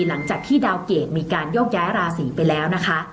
หลังจากที่ดาวเกรดมีการโยกย้ายราศีไปแล้วนะคะ